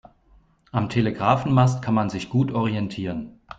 Am Telegrafenmast kann man sich gut orientieren.